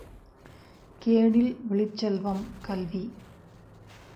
கேடில் விழுச்செல்வம் கல்வி.